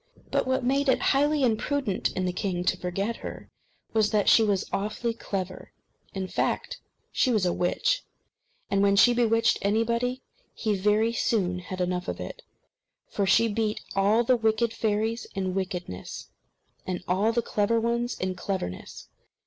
But what made it highly imprudent in the king to forget her was that she was awfully clever. In fact, she was a witch; and when she bewitched anybody, he very soon had enough of it; for she beat all the wicked fairies in wickedness, and all the clever ones in cleverness.